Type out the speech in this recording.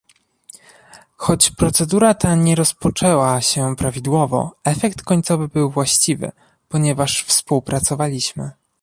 Choć procedura ta nie rozpoczęła się prawidłowo, efekt końcowy był właściwy, ponieważ współpracowaliśmy